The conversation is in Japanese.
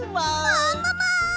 ももも！